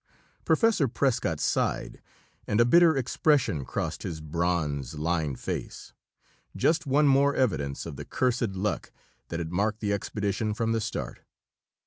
Professor Prescott sighed, and a bitter expression crossed his bronzed, lined face. Just one more evidence of the cursed luck that had marked the expedition from the start!